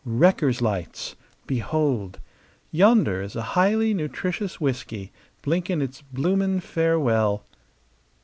"Wreckers' lights. Behold! Yonder is a highly nutritious whisky blinking its bloomin' farewell.